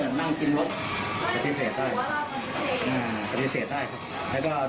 กะทิเสร็จได้แล้วก็ดูหมีนเจ้าบ้านงานนะครับ